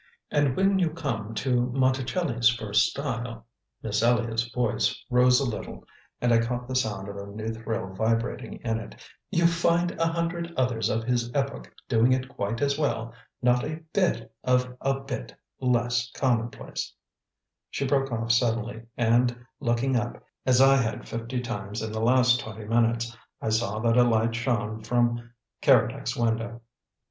"And when you come to Monticelli's first style " Miss Elliott's voice rose a little, and I caught the sound of a new thrill vibrating in it "you find a hundred others of his epoch doing it quite as well, not a BIT of a bit less commonplace " She broke off suddenly, and looking up, as I had fifty times in the last twenty minutes, I saw that a light shone from Keredec's window.